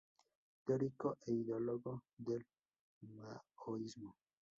Teórico e ideólogo del maoísmo.